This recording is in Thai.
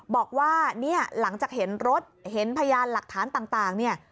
บอกว่าหลังจากเห็นรถเห็นพยานหลักฐานต่าง